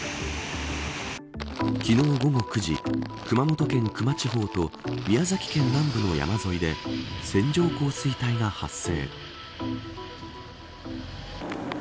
昨日、午後９時熊本県球磨地方と宮崎県南部の山沿いで線状降水帯が発生。